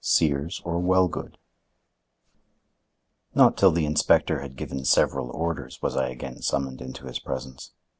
SEARS OR WELLGOOD Not till the inspector had given several orders was I again summoned into his presence.